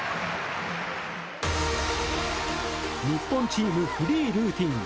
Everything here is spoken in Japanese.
日本チームフリールーティン